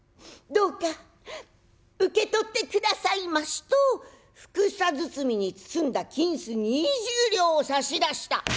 どうか受け取ってくださいまし」とふくさ包みに包んだ金子２０両を差し出した。